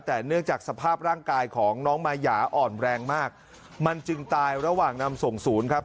แต่เนื่องจากสภาพร่างกายของน้องมายาอ่อนแรงมากมันจึงตายระหว่างนำส่งศูนย์ครับ